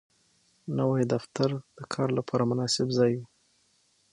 نوی دفتر د کار لپاره مناسب ځای وي